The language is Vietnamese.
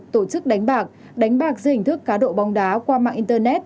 tổ chức đánh bạc đánh bạc dưới hình thức cá độ bóng đá qua mạng internet